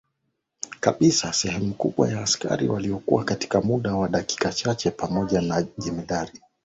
kabisa Sehemu kubwa ya askari waliuawa katika muda wa dakika chache pamoja na jemadari